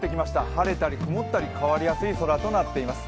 晴れたり曇ったり、変わりやすい空となっています。